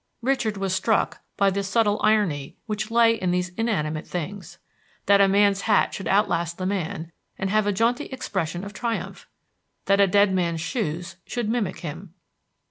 Richard was struck by the subtile irony which lay in these inanimate things. That a man's hat should outlast the man, and have a jaunty expression of triumph! That a dead man's shoes should mimic him!